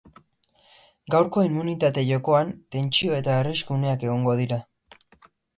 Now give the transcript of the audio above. Gaurko immunitate jokoan tentsio eta arrisku uneak egongo dira.